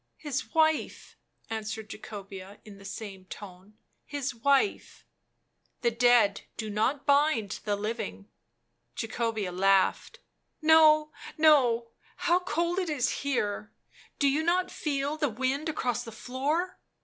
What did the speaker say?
" His wife," answered Jacobea in the same tone ;" his wife." " The dead do not bind the living." Jacobea laughed. "No, no — how cold it is here ; do you not feel the wind across the floor?"